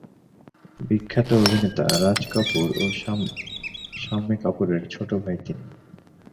বিখ্যাত অভিনেতা রাজ কাপুর ও শাম্মী কাপুরের ছোট ভাই তিনি।